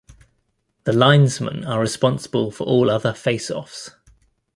The linesmen are responsible for all other face-offs.